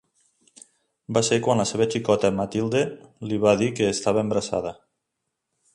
Va ser quan la seva xicota, Mathilde, li va dir que estava embarassada.